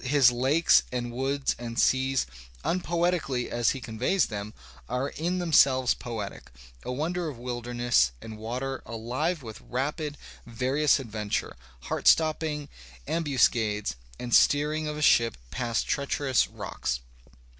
His lakes and woods and seas, unpoetically as he conveys them, are in themselves poetic, a wonder of wilderness and water alive with rapid, various adventure, heart stopping ambuscades, the steering of a ship past treacherous rocks.